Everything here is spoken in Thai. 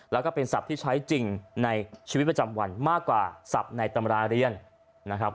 แล้วก็เป็นศัพท์ที่ใช้จริงในชีวิตประจำวันมากกว่าศัพท์ในตำราเรียนนะครับ